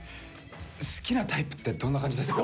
「好きなタイプってどんな感じですか？」。